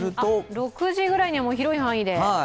６時ぐらいには広い範囲で。